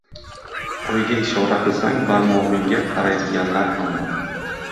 Oyga ishora qilsang, barmog‘ingga qaraydiganlar ham bor